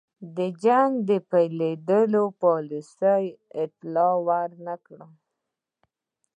د جنګ د پیل کېدلو پالیسۍ اطلاع ور نه کړه.